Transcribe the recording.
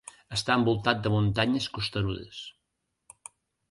Està envoltat de muntanyes costerudes.